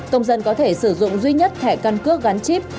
công dân có thể sử dụng duy nhất thẻ căn cước gắn chip